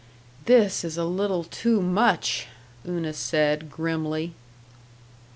"This is a little too much!" Una said, grimly.